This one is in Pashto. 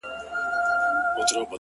نو ستا د لوړ قامت; کوچنی تشبه ساز نه يم;